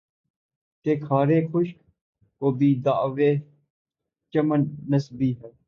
کہ خارِ خشک کو بھی دعویِ چمن نسبی ہے